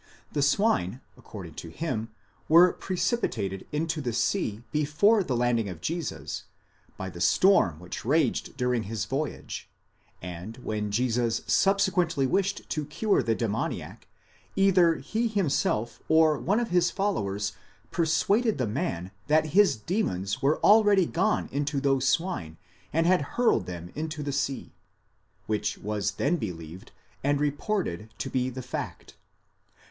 The swine according to him were precipitated into the sea before the landing of Jesus, by the storm which raged during his voyage, and when Jesus subsequently wished to cure the demoniac, either he himself or one of his followers persuaded the man that his demons were already gone into those swine and had hurled them into the sea; which was then believed and reported to be the fact.